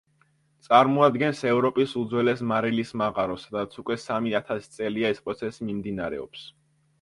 წარმოადგენს ევროპის უძველეს მარილის მაღაროს, სადაც უკვე სამი ათასი წელია ეს პროცესი მიმდინარეობს.